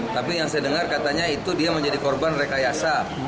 tapi yang saya dengar katanya itu dia menjadi korban rekayasa